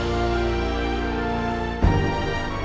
aku akan selalu mencintai kamu